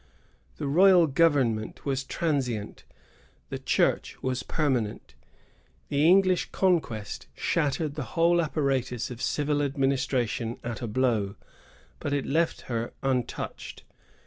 The royal government was transient; the Church was permanent. The English conquest shattered the whole apparatus of civil administration at a blow, but it left her untouched.